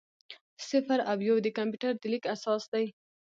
صفر او یو د کمپیوټر د لیک اساس دی.